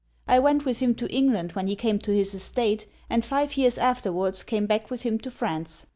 I went with him to England when he came to his estate, and five years afterwards came back with him to France.